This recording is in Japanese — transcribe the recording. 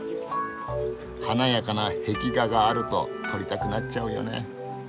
華やかな壁画があると撮りたくなっちゃうよね。